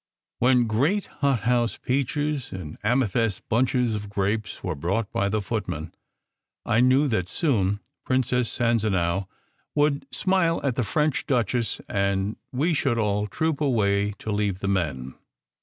When great hothouse peaches and amethyst bunches of grapes were brought by the footman, I knew that soon Princess Sanzanow would smile at the French duchess, and we should all troop away to leave the men.